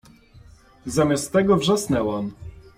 Zamiast tego wrzasnęłam